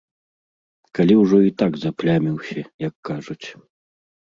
Калі ўжо і так запляміўся, як кажуць.